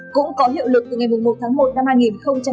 cũng có hành vi trích dẫn không đúng